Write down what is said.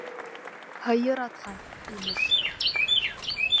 - Һыйыр атҡан, имеш!